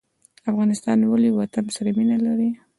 افغانان ولې وطن سره مینه لري؟